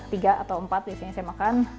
tiga atau empat biasanya saya makan